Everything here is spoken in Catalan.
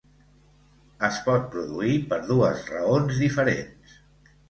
Es pot produir per dues raons diferents.